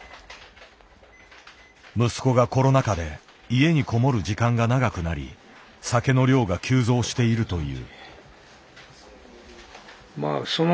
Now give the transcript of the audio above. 息子がコロナ禍で家に籠もる時間が長くなり酒の量が急増しているという。